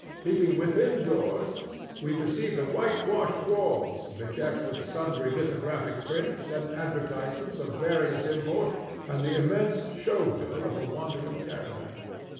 Peeping within doors, we perceive the whitewashed walls bedecked with sundry lithographic prints and advertisements of various import and the immense show bill of a wandering caravan.